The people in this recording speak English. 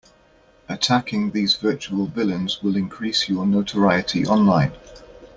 Attacking these virtual villains will increase your notoriety online.